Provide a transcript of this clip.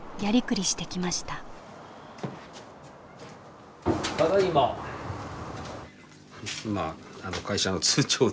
ただいま。